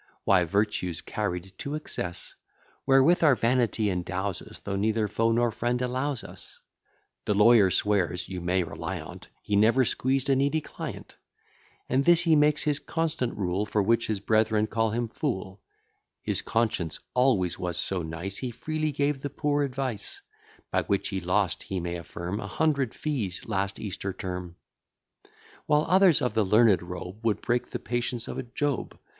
Why, virtue's carried to excess, Wherewith our vanity endows us, Though neither foe nor friend allows us. The Lawyer swears (you may rely on't) He never squeezed a needy client; And this he makes his constant rule, For which his brethren call him fool; His conscience always was so nice, He freely gave the poor advice; By which he lost, he may affirm, A hundred fees last Easter term; While others of the learned robe, Would break the patience of a Job.